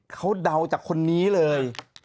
เขาเดาจากคนนี้เลย